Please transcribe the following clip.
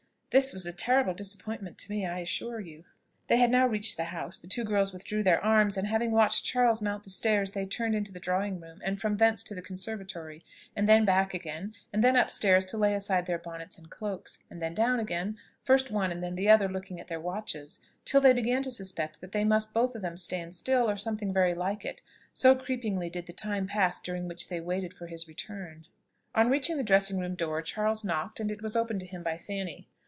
This was a terrible disappointment to me, I assure you." They had now reached the house; the two girls withdrew their arms, and, having watched Charles mount the stairs, they turned into the drawing room, and from thence to the conservatory, and then back again, and then up stairs to lay aside their bonnets and cloaks, and then down again; first one and then the other looking at their watches, till they began to suspect that they must both of them stand still, or something very like it, so creepingly did the time pass during which they waited for his return. On reaching the dressing room door, Charles knocked, and it was opened to him by Fanny.